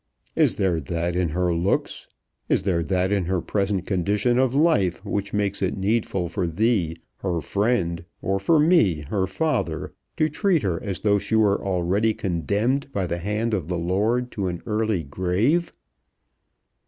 "Is there that in her looks, is there that in her present condition of life, which make it needful for thee, her friend, or for me, her father, to treat her as though she were already condemned by the hand of the Lord to an early grave?"